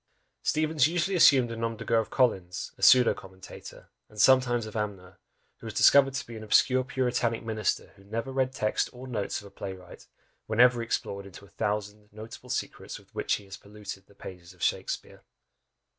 Steevens usually assumed a nom de guerre of Collins, a pseudo commentator, and sometimes of Amner, who was discovered to be an obscure puritanic minister who never read text or notes of a play wright, whenever he explored into a "thousand notable secrets" with which he has polluted the pages of Shakspeare!